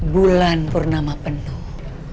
bulan bernama penuh